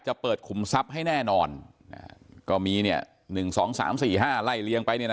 เปิดขุมทรัพย์ให้แน่นอนก็มี๑๒๓๔๕ไล่เลี้ยงไป